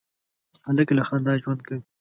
هلک له خندا ژوند کوي.